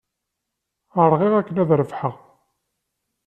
Rɣiɣ akken ad rebḥeɣ.